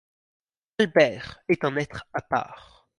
Albert est un être à part.